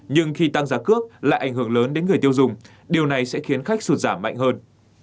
nhưng khi tăng giá cước lại ảnh hưởng lớn đến người tiêu dùng điều này sẽ khiến khách sụt giảm mạnh hơn